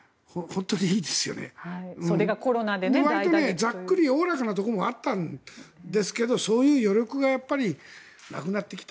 ざっくりおおらかなところもあったんですがそういう余力がなくなってきた。